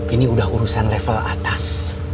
ini udah urusan level atas